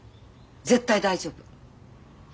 絶対大丈夫。